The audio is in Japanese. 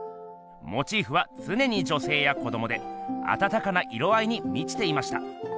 モチーフはつねに女せいや子どもであたたかな色合いにみちていました。